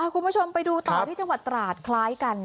คุณผู้ชมไปดูต่อที่จังหวัดตราดคล้ายกัน